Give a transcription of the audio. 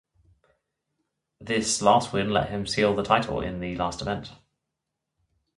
This last win let him seal the title in the last event.